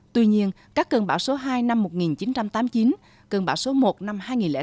tuy nhiên các cơn bão số hai năm một nghìn chín trăm tám mươi chín cơn bão số một năm hai nghìn chín